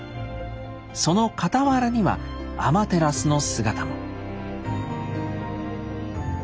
その傍らにはアマテラスの姿も。